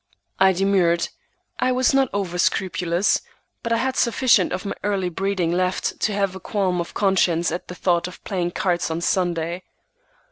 I demurred. I was not over scrupulous, but I had sufficient of my early breeding left to have a qualm of conscience at the thought of playing cards on Sunday.